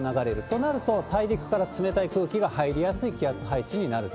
となると、大陸から冷たい空気が入りやすい気圧配置になる。